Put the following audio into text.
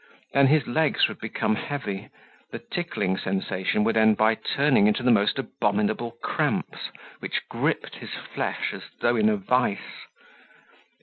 Then his legs would become heavy, the tickling sensation would end by turning into the most abominable cramps, which gripped his flesh as though in a vise.